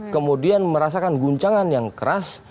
kemudian merasakan guncangan yang keras